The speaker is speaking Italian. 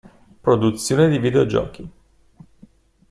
Produzione di videogiochi.